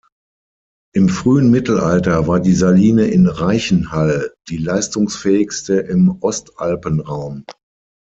Im frühen Mittelalter war die Saline in Reichenhall die leistungsfähigste im Ostalpenraum.